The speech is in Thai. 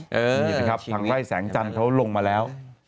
เห็นไหมครับทางไฟแสงจันทร์เขาลงมาแล้ว